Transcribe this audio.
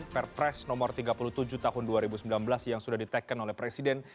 perpres nomor tiga puluh tujuh tahun dua ribu sembilan belas yang sudah diteken oleh presiden